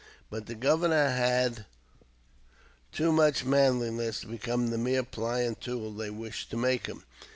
But the Governor had too much manliness to become the mere pliant tool they wished to make him.